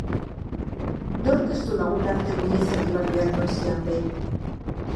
Nork ez du lagunarteko ihesaldi bat behar noizean behin?